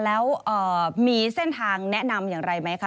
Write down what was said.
แล้วมีเส้นทางแนะนำอย่างไรไหมคะ